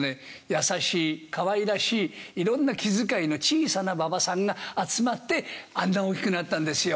優しい、かわいらしいいろんな気づかいの小さな馬場さんが集まってあんな大きくなったんですよ。